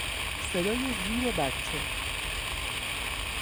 صدای زیر بچه